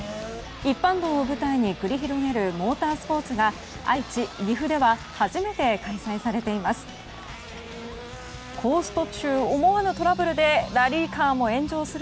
一般道を舞台に繰り広げるモータースポーツが愛知、岐阜では初めて開催されています。